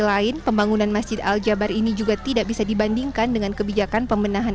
lain pembangunan masjid aljabar ini juga tidak bisa dibandingkan dengan kebijakan pemenahan